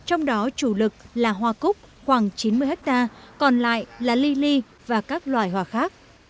trong đó chủ lực là hoa cúc khoảng chín mươi hectare còn lại là ly ly và các loài hoa khác